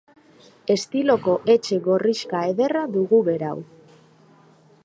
Estiloko etxe gorrixka ederra dugu berau.